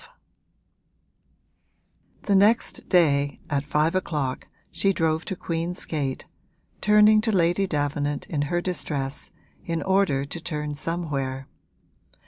XII The next day, at five o'clock, she drove to Queen's Gate, turning to Lady Davenant in her distress in order to turn somewhere.